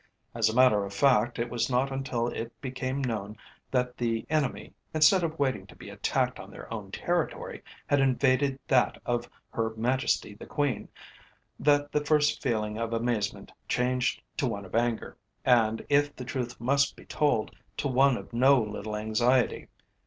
As a matter of fact, it was not until it became known that the enemy, instead of waiting to be attacked in their own territory, had invaded that of Her Majesty the Queen, that the first feeling of amazement changed to one of anger, and, if the truth must be told, to one of no little anxiety.